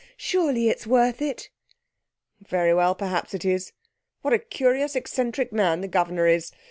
Surely it's worth it?' 'Very well, perhaps it is. What a curious, eccentric man the governor is!